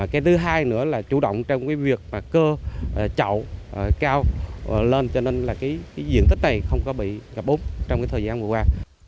cái thứ hai nữa là chủ động trong cái việc mà cơ chậu cao lên cho nên là cái diện tích này không có bị ngập ống trong cái thời gian vừa qua